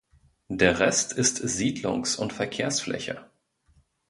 Der Rest ist Siedlungs- und Verkehrsfläche.